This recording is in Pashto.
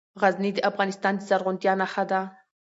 غزني د افغانستان د زرغونتیا نښه ده.